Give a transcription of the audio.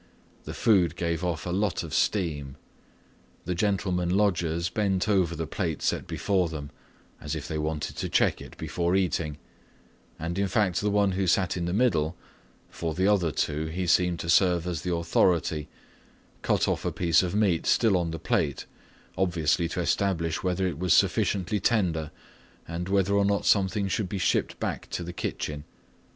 The food gave off a lot of steam. The gentlemen lodgers bent over the plate set before them, as if they wanted to check it before eating, and in fact the one who sat in the middle—for the other two he seemed to serve as the authority—cut off a piece of meat still on the plate obviously to establish whether it was sufficiently tender and whether or not something should be shipped back to the kitchen.